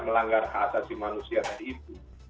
melanggar hak asasi manusia tadi itu